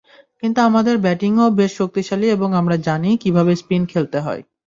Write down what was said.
কিন্তু আমাদের ব্যাটিংও বেশ শক্তিশালী এবং আমরা জানি কীভাবে স্পিন খেলতে হয়।